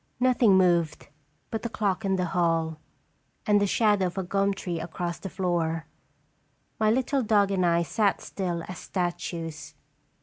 Nothing moved but the clock in the hall, and the shadow of a gum tree across the floor. My little dog and I sat still as statues.